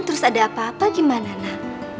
terus ada apa apa gimana nak